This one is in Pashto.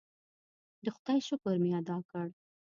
د خدای شکر مې ادا کړ.